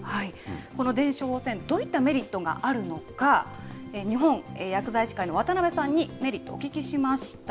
この電子処方箋、どういったメリットがあるのか、日本薬剤師会の渡邊さんにメリットをお聞きしました。